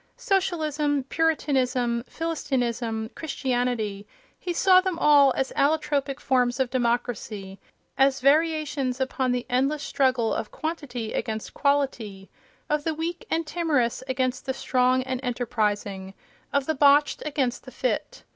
Socialism, Puritanism, Philistinism, Christianity—he saw them all as allotropic forms of democracy, as variations upon the endless struggle of quantity against quality, of the weak and timorous against the strong and enterprising, of the botched against the fit.